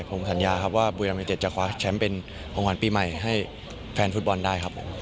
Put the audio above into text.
ผมสัญญาครับว่าบุรีรัมยูเต็ดจะคว้าแชมป์เป็นของขวัญปีใหม่ให้แฟนฟุตบอลได้ครับผม